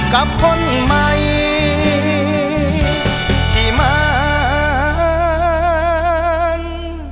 กับคนใหม่ที่มัน